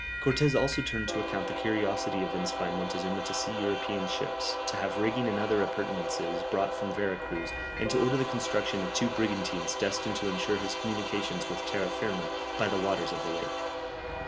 Cortès also turned to account the curiosity evinced by Montezuma to see European ships, to have rigging and other appurtenances brought from Vera Cruz, and to order the construction of two brigantines destined to ensure his communications with terra firma by the waters of the lake.